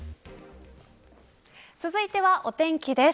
続いてはお天気です。